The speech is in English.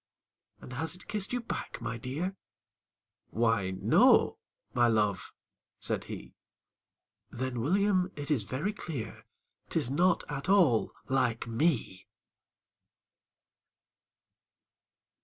"And has it kissed you back, my dear?" "Why no my love," said he. "Then, William, it is very clear 'Tis not at all LIKE ME!"